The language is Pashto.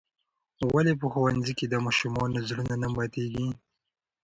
ولې په ښوونځي کې د ماشومانو زړونه نه ماتیږي؟